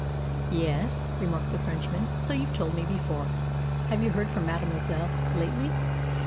"Yes," remarked the Frenchman, "so you've told me before. Have you heard from mademoiselle lately?"